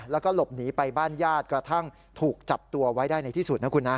แล้วก็หลบหนีไปบ้านญาติกระทั่งถูกจับตัวไว้ได้ในที่สุดนะคุณนะ